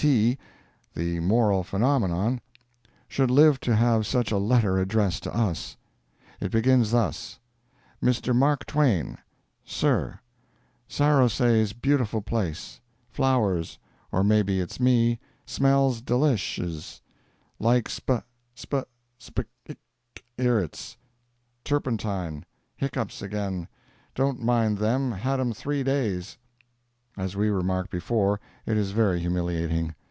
T., The Moral Phenomenon," should live to have such a letter addressed to us. It begins thus: "Mr. Mark Twain—Sir: Sarrozay's beauriful place. Flowers—or maybe it's me—smells delishs—like sp sp sp(ic! )irits turpentine. Hiccups again. Don' mind them had 'em three days." As we remarked before, it is very humiliating.